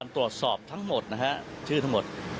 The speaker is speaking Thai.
ตรวจสอบทั้งหมดนะฮะชื่อทั้งหมด